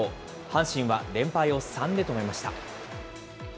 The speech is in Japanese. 阪神は連敗を３で止めました。